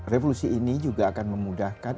revolusi ini juga akan memudahkan